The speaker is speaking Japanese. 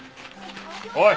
おい！